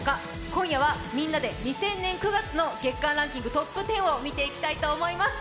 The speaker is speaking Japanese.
今夜はみんなで２０００年９月の月間ランキングトップを見ていきたいと思います。